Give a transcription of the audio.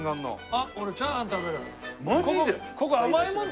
あっ俺チャーハン食べる。